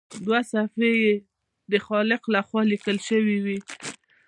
دوه صفحې یې د خالق لخوا لیکل شوي وي.